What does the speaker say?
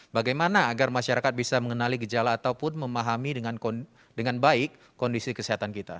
bagaimana agar masyarakat bisa mengenali gejala ataupun memahami dengan baik kondisi kesehatan kita